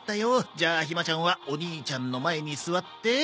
じゃあひまちゃんはお兄ちゃんの前に座って。